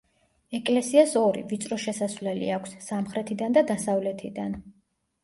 ეკლესიას ორი, ვიწრო შესასვლელი აქვს: სამხრეთიდან და დასავლეთიდან.